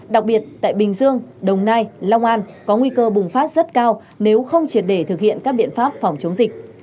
đặc biệt tại bình dương đồng nai long an có nguy cơ bùng phát rất cao nếu không triệt để thực hiện các biện pháp phòng chống dịch